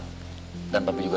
bisa nggak perlu jual